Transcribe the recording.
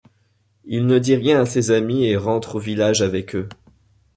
Il ne dit rien à ses amis et rentre au village avec eux.